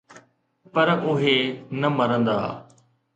پر اهي نه مرندا